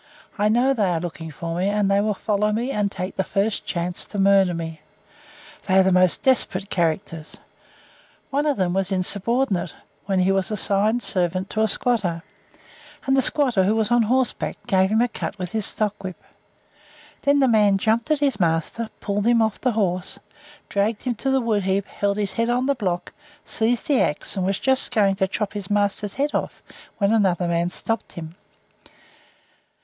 I know they are looking for me, and they will follow me and take the first chance to murder me. They are most desperate characters. One of them was insubordinate when he was assigned servant to a squatter, and the squatter, who was on horseback, gave him a cut with his stockwhip. Then this man jumped at his master, pulled him off his horse, dragged him to the wood heap, held his head on the block, seized the axe, and was just going to chop his master's head off, when another man stopped him.